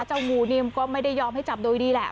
เจ้างูนิ่มก็ไม่ได้ยอมให้จับโดยดีแหละ